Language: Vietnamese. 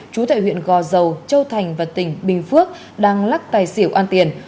chú tại huyện gò dầu châu thành và tỉnh bình phước đang lắc tài xỉu ăn tiền